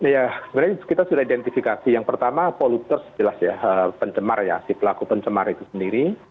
ya sebenarnya kita sudah identifikasi yang pertama poluter sejelas ya pencemar ya si pelaku pencemar itu sendiri